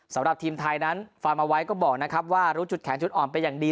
สำหรับทีมไทยนั้นฟังเอาไว้ก็บอกนะครับว่ารู้จุดแข็งจุดอ่อนเป็นอย่างดี